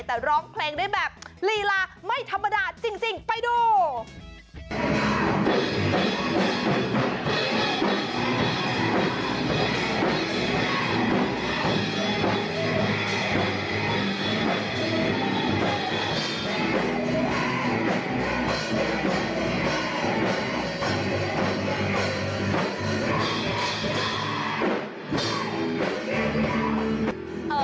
แต่ร้องเพลงได้แบบลีลาไม่ธรรมดาจริงไปดู